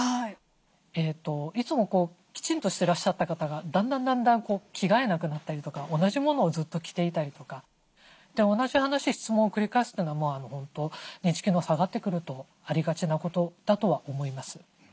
いつもきちんとしてらっしゃった方がだんだん着替えなくなったりとか同じものをずっと着ていたりとか同じ話質問を繰り返すというのは本当認知機能下がってくるとありがちなことだとは思います。